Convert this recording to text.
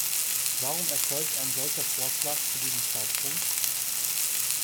Warum erfolgt ein solcher Vorschlag zu diesem Zeitpunkt?